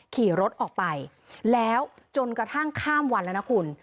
ขี่รถออกไปแล้วจนกระทั่งข้ามวันแล้วนะคุณ